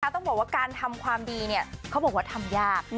ต้องบอกว่าการทำความดีเขาบอกว่าทำยาก